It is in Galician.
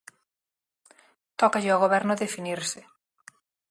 Tócalle ao Goberno definirse.